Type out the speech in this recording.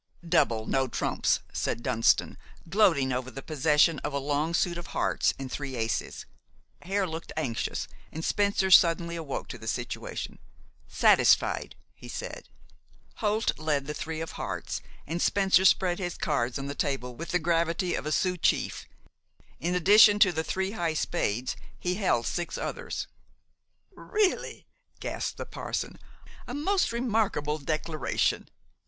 "Double no trumps," said Dunston, gloating over the possession of a long suit of hearts and three aces. Hare looked anxious, and Spencer suddenly awoke to the situation. "Satisfied," he said. Holt led the three of hearts, and Spencer spread his cards on the table with the gravity of a Sioux chief. In addition to the three high spades he held six others. "Really!" gasped the parson, "a most remarkable declaration!"